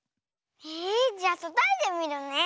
えじゃたたいてみるね。